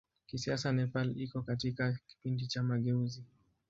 Kisiasa Nepal iko katika kipindi cha mageuzi.